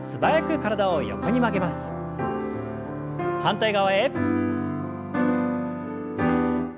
反対側へ。